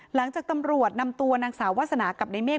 หลังจากตำรวจนำตัวนางสาววาสนากับในเมฆ